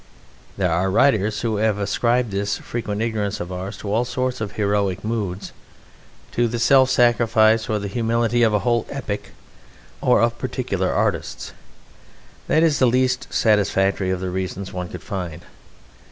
There are writers who have ascribed this frequent ignorance of ours to all sorts of heroic moods, to the self sacrifice or the humility of a whole epoch or of particular artists: that is the least satisfactory of the reasons one could find.